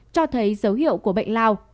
cho thấy dấu hiệu của bệnh lao